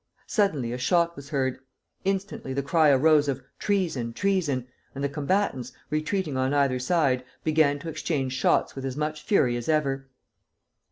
Suddenly a shot was heard. Instantly the cry arose of 'Treason! Treason!' and the combatants, retreating on either side, began to exchange shots with as much fury as ever.